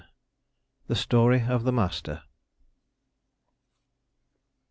THE STORY OF THE MASTER.